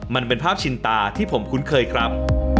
มันเป็นภาพชินตาที่ผมคุ้นเคยครับ